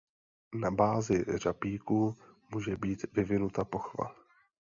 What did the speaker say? Na bázi řapíku může být vyvinuta pochva.